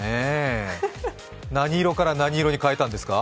何色から何色に変えたんですか？